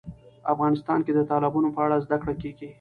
افغانستان کې د تالابونه په اړه زده کړه کېږي.